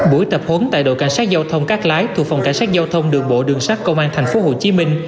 buổi tập huấn tại đội cảnh sát giao thông các lái thuộc phòng cảnh sát giao thông đường bộ đường sát công an tp hcm